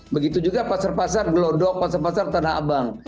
begitu juga pasar pasar gelodok pasar pasar tanah abang